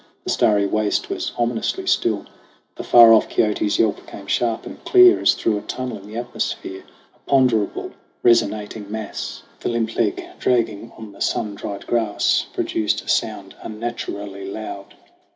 The starry waste was ominously still. The far off kiote's yelp came sharp and clear As through a tunnel in the atmosphere A ponderable, resonating mass. THE CRAWL 49 The limp leg dragging on the sun dried grass Produced a sound unnaturally loud.